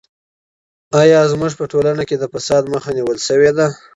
ایا زموږ په ټولنه کې د فساد مخه نیول سوې ده؟